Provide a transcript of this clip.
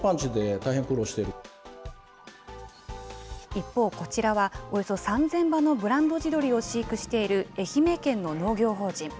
一方、こちらはおよそ３０００羽のブランド地鶏を飼育している愛媛県の農業法人。